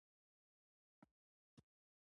ازادي راډیو د کلتور اړوند مرکې کړي.